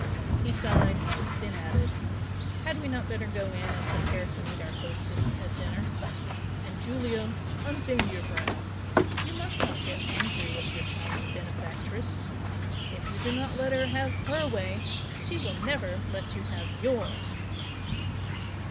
He sighed, then added "Had we not better go in and prepare to meet our hostess at dinner? And Giulio! unbend your brows! you must not get angry with your charming benefactress! If you do not let her have HER way, she will never let you have YOURS!"